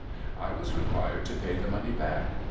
I was required to pay the money back.